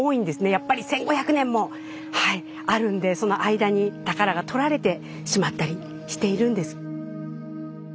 やっぱり１，５００年もあるんでその間に宝がとられてしまったりしているんです。